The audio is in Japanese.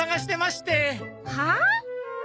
はあ？